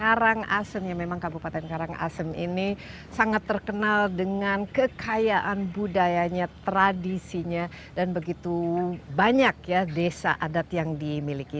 karangasem ya memang kabupaten karangasem ini sangat terkenal dengan kekayaan budayanya tradisinya dan begitu banyak ya desa adat yang dimiliki